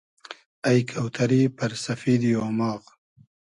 اݷ کۆتئری پئر سئفیدی اۉماغ